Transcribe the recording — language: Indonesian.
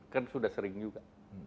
kan sudah sering juga